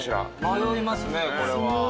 迷いますねこれは。